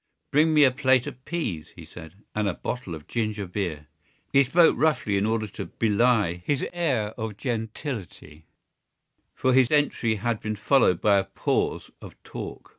"Bring me a plate of peas," he said, "and a bottle of ginger beer." He spoke roughly in order to belie his air of gentility for his entry had been followed by a pause of talk.